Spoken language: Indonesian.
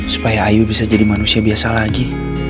supaya ayu bisa jadi manusia biasa lagi